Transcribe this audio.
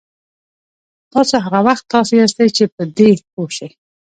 تاسو هغه وخت تاسو یاستئ چې په دې پوه شئ.